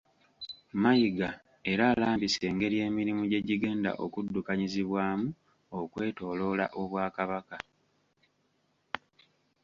Mayiga era alambise engeri emirimu gye gigenda okuddukanyizibwamu okwetooloola Obwakabaka.